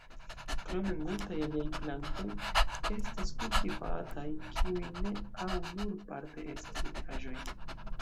Krome multaj aliaj plantoj estas kultivataj, kiuj ne au nur parte estas nutraĵoj.